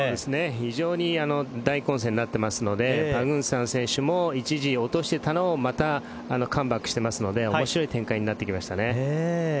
非常に大混戦になっていますのでパグンサン選手も一時落としていたのをまたカムバックしてますので面白い展開になってきましたね。